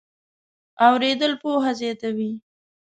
اورېدل پوهه زیاتوي.